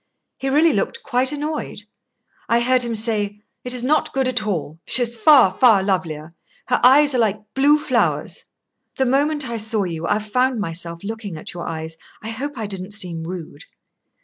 "He really looked quite annoyed. I heard him say: 'It is not good at all. She is far, far lovelier. Her eyes are like blue flowers.' The moment I saw you, I found myself looking at your eyes. I hope I didn't seem rude."